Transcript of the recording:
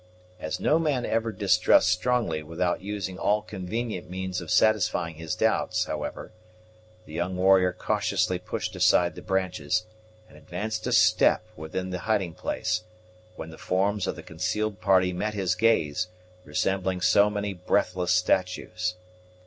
As no man ever distrusts strongly without using all convenient means of satisfying his doubts, however, the young warrior cautiously pushed aside the branches and advanced a step within the hiding place, when the forms of the concealed party met his gaze, resembling so many breathless statues.